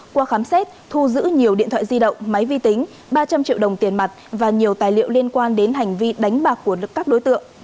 qua khám xét thu giữ nhiều điện thoại di động máy vi tính ba trăm linh triệu đồng tiền mặt và nhiều tài liệu liên quan đến hành vi đánh bạc của các đối tượng